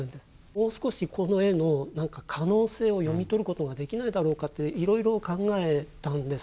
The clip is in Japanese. もう少しこの絵のなんか可能性を読み取ることができないだろうかっていろいろ考えたんです。